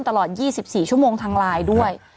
ตลอด๒๔ชั่วโมงทางไลน์ด้วย